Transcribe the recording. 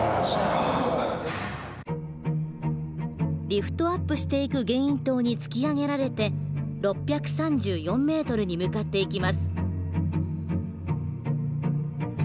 リフトアップしていくゲイン塔に突き上げられて６３４ｍに向かっていきます。